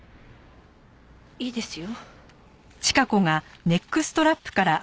いいですよ。